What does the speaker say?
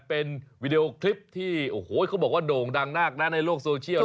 เป็นวีดีโอคลิปที่โด่งดังนากได้ในโลกโซเชียล